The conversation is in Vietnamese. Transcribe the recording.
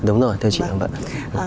đúng rồi theo chị đồng bản